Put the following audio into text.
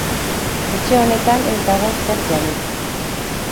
Etxe honetan ez dago zer janik.